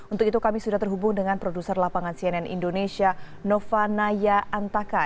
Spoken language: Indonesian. untuk itu kami sudah terhubung dengan produser lapangan cnn indonesia nova naya antaka